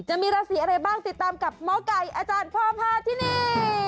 จะมีราศีอะไรบ้างติดตามกับหมอไก่อาจารย์พ่อพาที่นี่